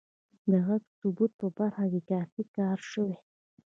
د غږ د ثبت په برخه کې کافی کار شوی